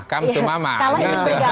kalau ingin bergabung